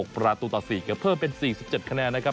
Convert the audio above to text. ประตูต่อ๔เกือบเพิ่มเป็น๔๗คะแนนนะครับ